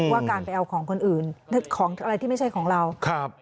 ว่าการไปเอาของคนอื่นของอะไรที่ไม่ใช่ของเราครับ